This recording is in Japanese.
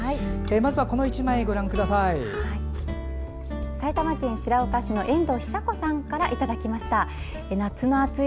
まずはこの１枚、ご覧ください。